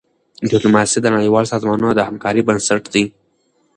ډيپلوماسي د نړیوالو سازمانونو د همکارۍ بنسټ دی.